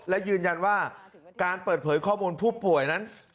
และยืนยันว่าการเปิดเผยข้อมูลผู้ป่วยนั้น